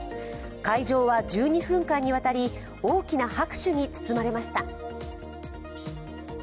会場は、１２分間にわたり大きな拍手に包まれました。